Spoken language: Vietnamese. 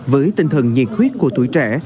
với tinh thần nhiệt huyết của tuổi trẻ